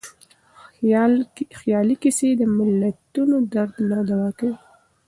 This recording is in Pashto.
خیالي کيسې د ملتونو درد نه دوا کوي.